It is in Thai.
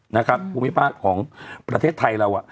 นะครับคุณพี่บ้านของประเทศไทยเรา